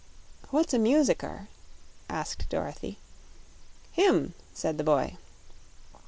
"What's a musicker?" asked Dorothy. "Him!" said the boy.